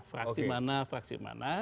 fraksi mana fraksi mana